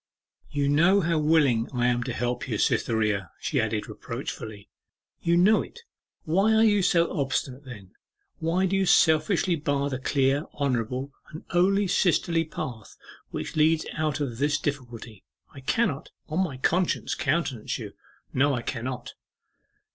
'You know how willing I am to help you, Cytherea,' she added reproachfully. 'You know it. Why are you so obstinate then? Why do you selfishly bar the clear, honourable, and only sisterly path which leads out of this difficulty? I cannot, on my conscience, countenance you; no, I cannot.